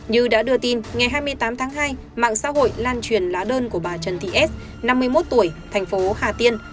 như đã đưa tin ngày hai mươi tám tháng hai mạng xã hội lan truyền lá đơn của bà trần thị s năm mươi một tuổi thành phố hà tiên